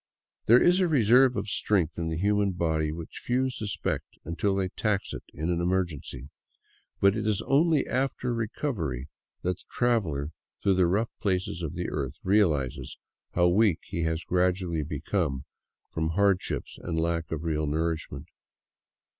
There is a reserve of strength in the human body which few suspect until they tax it in an emergency ; but it is only after recovery that the traveler through the rough places of the earth realizes how weak he has gradually become from hardships and lack of real nourishment.